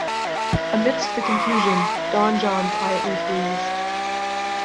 Amidst the confusion, Don John quietly flees.